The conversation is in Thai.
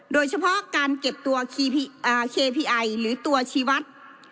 โดยเฉพาะการเก็บตัวเคพีไอหรือตัวชีวัตร